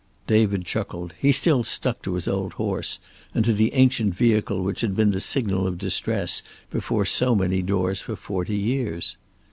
David chuckled. He still stuck to his old horse, and to the ancient vehicle which had been the signal of distress before so many doors for forty years.